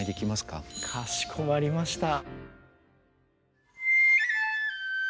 かしこまりました。